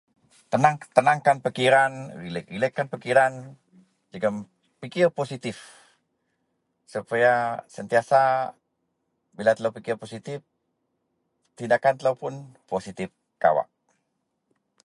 tenangkan-tenangkan pikiran, relek-relekkan pikiran jegum pikir positif supaya sentiasa bila telou pikir positif tindakkan telou pun positif kawak